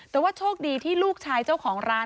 แต่ว่าโชคดีที่ลูกชายเจ้าของร้าน